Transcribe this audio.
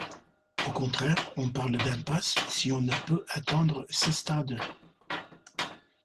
Au contraire, on parle d’impasse si on ne peut atteindre ce stade.